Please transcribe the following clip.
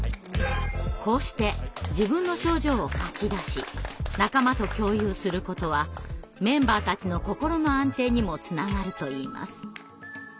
こうして自分の症状を書きだし仲間と共有することはメンバーたちの心の安定にもつながるといいます。